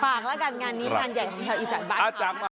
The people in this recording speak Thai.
ฝากละกันงานนี้ทานใหญ่ของเที่ยวอีกสันบาทค่ะ